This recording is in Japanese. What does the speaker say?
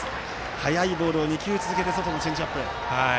速いボールを２球続けて外のチェンジアップ。